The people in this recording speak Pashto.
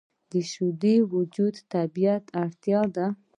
شیدې د وجود طبیعي اړتیا ده